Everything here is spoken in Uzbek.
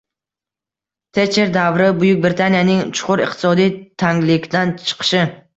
Tetcher davri— Buyuk Britaniyaning chuqur iqtisodiy tanglikdan chiqishi